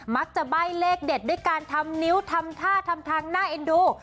ใบ้เลขเด็ดด้วยการทำนิ้วทำท่าทำทางน่าเอ็นดู